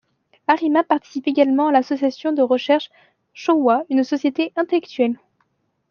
Arima participe également à l'association de recherche Shōwa, une société intellectuelle.